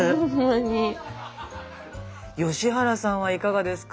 吉原さんはいかがですか？